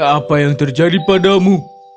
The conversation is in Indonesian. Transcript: apa yang terjadi padamu